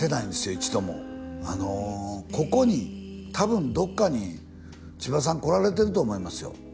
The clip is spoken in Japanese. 一度もあのここにたぶんどっかに千葉さん来られてると思いますよ